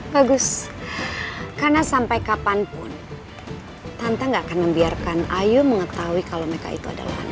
bagus karena sampai kapanpun tante gak akan membiarkan ayu mengetahui kalau mereka itu adalah anak